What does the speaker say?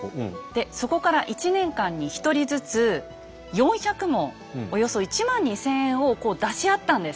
でそこから１年間に１人ずつ４００文およそ１万２，０００円をこう出し合ったんです。